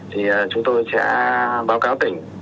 thì chúng tôi sẽ báo cáo tỉnh